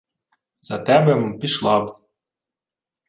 — За тебе-м пішла б.